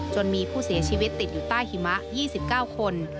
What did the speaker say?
มีผู้เสียชีวิตติดอยู่ใต้หิมะ๒๙คน